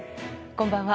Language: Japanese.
こんばんは。